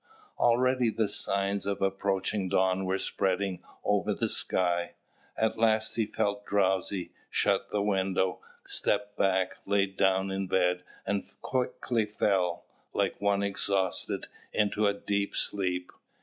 Already the signs of approaching dawn were spreading over the sky. At last he felt drowsy, shut to the window, stepped back, lay down in bed, and quickly fell, like one exhausted, into a deep sleep.